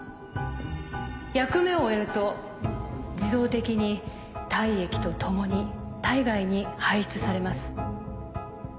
役目を終えると自動的に体液とともに体外に排出されます。